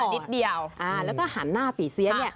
แล้วก็หันหน้าปี่เซี๊ย